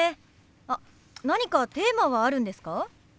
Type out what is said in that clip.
あっ何かテーマはあるんですか？